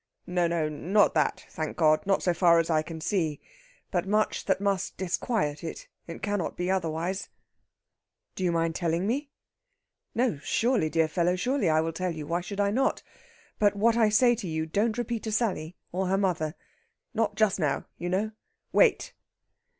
"No, no not that, thank God! Not so far as I can see. But much that must disquiet it; it cannot be otherwise." "Do you mind telling me?" "No, surely, dear fellow! surely I will tell you. Why should I not? But what I say to you don't repeat to Sally or her mother. Not just now, you know. Wait!"